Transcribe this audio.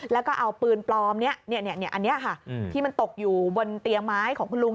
แล้วก็เอาปืนปลอมนี้อันนี้ค่ะที่มันตกอยู่บนเตียงไม้ของคุณลุง